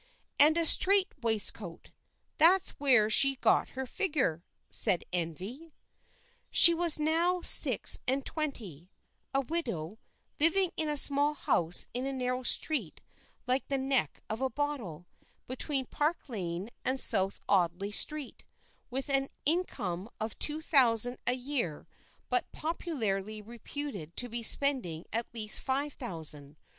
"And a strait waistcoat. That's where she got her figure," said Envy. She was now six and twenty, a widow, living in a small house in a narrow street like the neck of a bottle, between Park Lane and South Audley Street, with an income of two thousand a year, but popularly reputed to be spending at least five thousand.